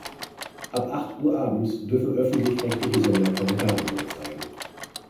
Ab acht Uhr abends dürfen öffentlich-rechtliche Sender keine Werbung mehr zeigen.